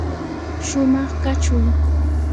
shumaq kachuy.